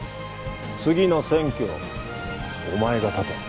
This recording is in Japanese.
次の選挙お前が立て。